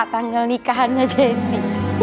tanggal nikahannya jessy